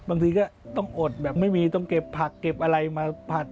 บางทีก็ต้องอดแบบไม่มีต้องเก็บผักเก็บอะไรมาผัด